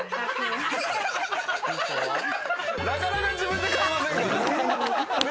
なかなか自分で買いませんからね。